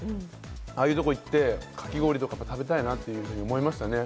ああいう所にいって、かきごおりとか食べたいなと思いましたね。